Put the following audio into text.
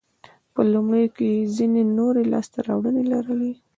په لومړیو کې یې ځیني نورې لاسته راوړنې لرلې.